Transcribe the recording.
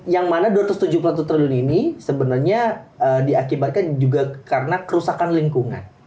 yang mana dua ratus tujuh puluh satu triliun ini sebenarnya diakibatkan juga karena kerusakan lingkungan